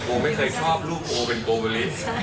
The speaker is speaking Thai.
โอไม่เคยชอบรูปโอเป็นโกบริ